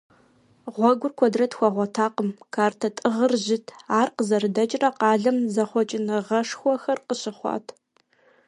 Гъуэгур куэдрэ къытхуэгъуэтакъым, картэ тӏыгъыр жьыт, ар къызэрыдэкӏрэ къалэм зэхъуэкӏыныгъэшхуэхэр къыщыхъуат.